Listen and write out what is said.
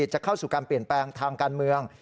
จะเข้าสู่การเปลี่ยนแปลงทางการเมือง